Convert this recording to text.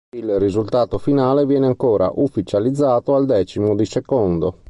Il risultato finale viene ancora ufficializzato al decimo di secondo.